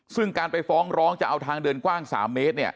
ซึ่งการไปฟ้องร้องจะเอาทางเดินกว้าง๓เมตร